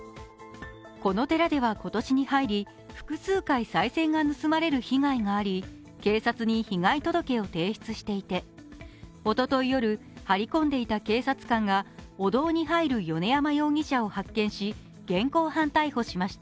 この寺では今年に入り、複数回さい銭が盗まれる被害があり、警察に被害届を提出していて、おととい夜、張り込んでいた警察官がお堂に入る米山容疑者を発見し現行犯逮捕しました。